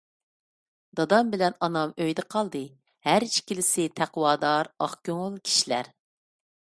دادام بىلەن ئانام ئۆيدە قالدى، ھەر ئىككىلىسى تەقۋادار، ئاق كۆڭۈل كىشىلەر.